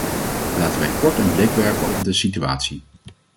Laten wij kort een blik werpen op de situatie.